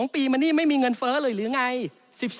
๒ปีมานี่ไม่มีเงินเฟ้อเลยหรือไง